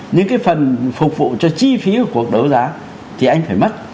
những cái phần phục vụ cho chi phí của cuộc đấu giá thì anh phải mất